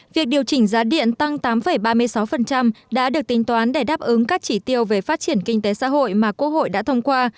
việc điều chỉnh giá điện tăng tám ba mươi sáu đã được tính toán để đáp ứng các chỉ tiêu về phát triển kinh tế xã hội mà quốc hội đã thông qua